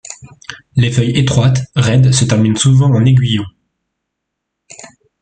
Les feuilles étroites, raides se terminent souvent en aiguillon.